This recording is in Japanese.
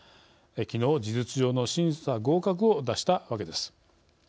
きのう、事実上の審査合格を出したわけです。